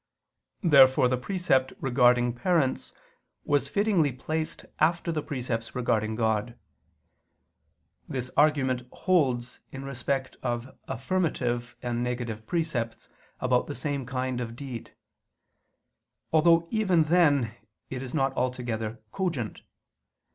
Therefore the precept regarding parents was fittingly placed after the precepts regarding God. This argument holds in respect of affirmative and negative precepts about the same kind of deed: although even then it is not altogether cogent.